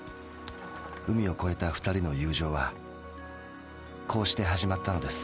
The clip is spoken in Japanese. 海を越えたふたりの友情はこうしてはじまったのです。